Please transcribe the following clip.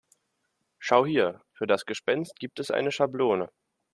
Schau hier, für das Gespenst gibt es eine Schablone.